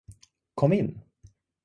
Kom in!